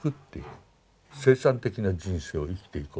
生産的な人生を生きていこうと。